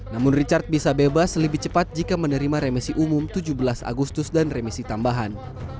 namun richard bisa bebas lebih cepat jika menerima remisi umum tujuh belas agustus dan remisi tambahan